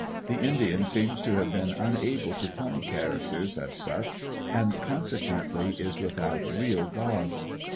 The Indian seems to have been unable to form characters as such and con sequently is without real gods.